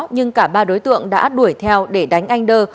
nhưng cả ba đối tượng đã đuổi theo để đánh anh đơ